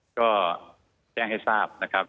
ก็แจ้งให้ทราบนะครับ